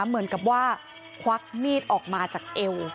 เหมือนกับว่าควักมีดออกมาจากเอว